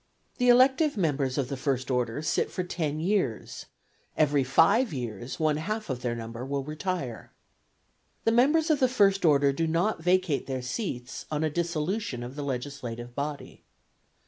The elective members of the first order sit for ten years; every five years one half their number will retire. The members of the first order do not vacate their seats on a dissolution of the legislative body.